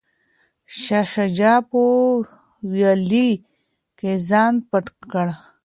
شاه شجاع په ویالې کې ځان پټ کړ.